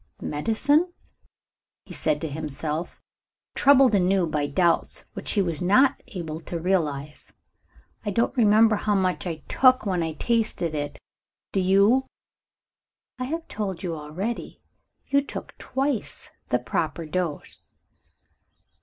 "Medicine?" he said to himself troubled anew by doubts which he was not able to realize. "I don't remember how much I took when I tasted it. Do you?" "I have told you already. You took twice the proper dose."